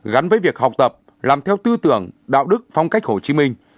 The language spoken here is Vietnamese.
gắn với việc học tập làm theo tư tưởng đạo đức phong cách hồ chí minh